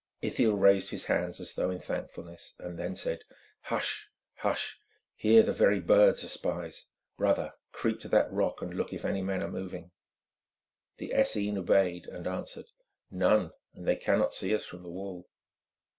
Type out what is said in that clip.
Ithiel raised his hands as though in thankfulness, then said: "Hush! hush! Here the very birds are spies. Brother, creep to that rock and look if any men are moving." The Essene obeyed, and answered, "None; and they cannot see us from the wall."